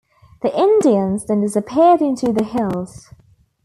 The Indians then disappeared into the hills.